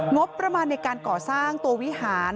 งบประมาณในการก่อสร้างตัววิหาร